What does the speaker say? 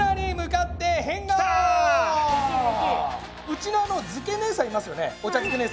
うちの漬け姉さんいますよね。